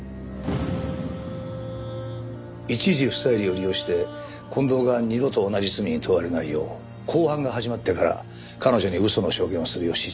一事不再理を利用して近藤が二度と同じ罪に問われないよう公判が始まってから彼女に嘘の証言をするよう指示した。